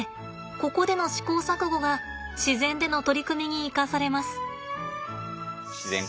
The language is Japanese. ここでの試行錯誤が自然での取り組みに生かされます。